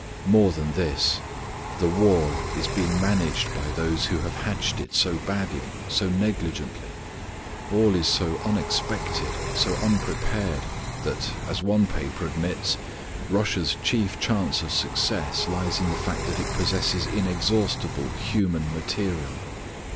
More than this: the war is being managed by those who have hatched it so badly, so negligently, all is so unexpected, so unprepared, that, as one paper admits, Russia's chief chance of success lies in the fact that it possesses inexhaustible human material.